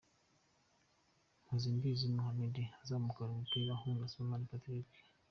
Mpozembizi Mohammed azamukana umupira ahunga Sibomana Patrick.